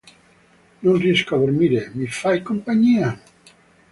Non riesco a dormire, mi fai compagnia?